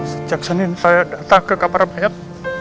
sejak senin saya datang ke kapar bayat